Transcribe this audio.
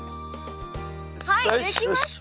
はい出来ました！